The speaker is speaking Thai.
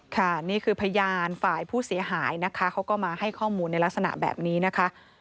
ค่ะนี่คือพยานฝ่ายผู้เสียหายนะคะเขาก็มาให้ข้อมูลในลักษณะแบบนี้นะคะ